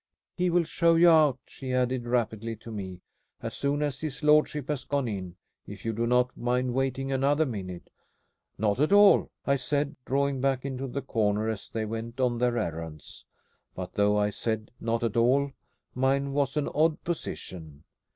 "He will show you out," she added rapidly to me, "as soon as his lordship has gone in, if you do not mind waiting another minute." "Not at all," I said, drawing back into the corner as they went on their errands; but though I said, "Not at all," mine was an odd position.